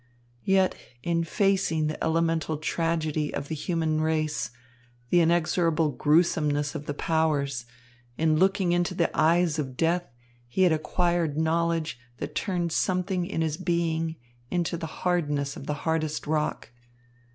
Yet, in facing the elemental tragedy of the human race, the inexorable gruesomeness of the powers, in looking into the eyes of death, he had acquired knowledge that turned something in his being into the hardness of the hardest rock.